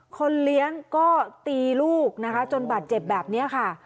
คนเลี้ยงก็ตีลูกนะคะจนบาดเจ็บแบบนี้ค่ะ